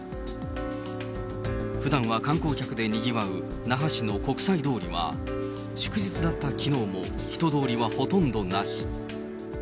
ふだんは観光客でにぎわう那覇市の国際通りは、祝日だったきのうも人通りはほとんどなし。